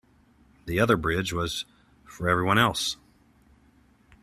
The other bridge was for everyone else.